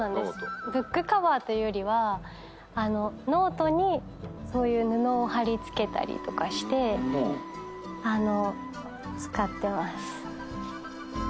ブックカバーというよりはノートにそういう布を貼り付けたりとかして使ってます。